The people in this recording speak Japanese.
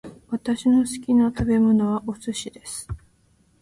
私の好きな食べ物はお寿司です